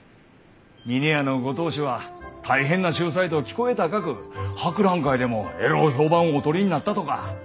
峰屋のご当主は大変な秀才と聞こえ高く博覧会でもえろう評判をお取りになったとか。